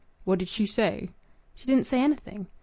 "What did she say?" "She didn't say anything."